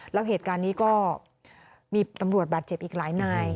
แล้วเหตุการณ์นี้ก็มีตำรวจบาดเจ็บอีกหลายนาย